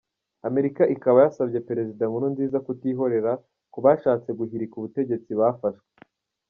Amerika ikaba yasabye Perezida Nkurunziza kutihorera ku bashatse guhirika ubutegetsi bafashwe.